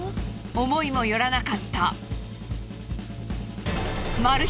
思いもよらなかったマル秘